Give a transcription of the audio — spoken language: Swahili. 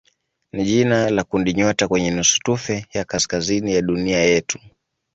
ni jina la kundinyota kwenye nusutufe ya kaskazini ya dunia yetu.